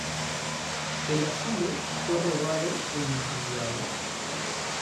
El asilo fue robado e incendiado.